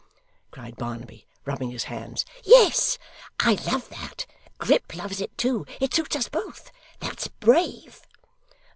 cried Barnaby, rubbing his hands. 'Yes! I love that. Grip loves it too. It suits us both. That's brave!